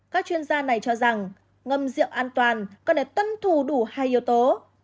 các chuyên gia này cho rằng ngâm rượu an toàn còn để tuân thủ đủ hai yếu tố